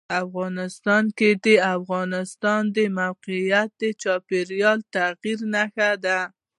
افغانستان کې د افغانستان د موقعیت د چاپېریال د تغیر نښه ده.